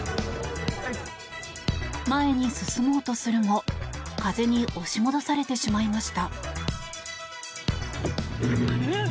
前に進もうとするも風に押し戻されてしまいました。